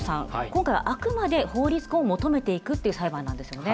今回はあくまで法律婚を求めていくっていう裁判なんですよね。